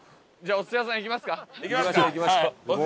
お寿司屋さん行きますか。